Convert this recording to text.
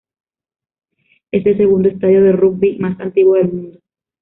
Es el segundo estadio de rugby más antiguo del mundo.